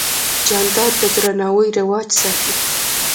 جانداد د درناوي رواج ساتي.